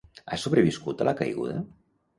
Ha sobreviscut a la caiguda?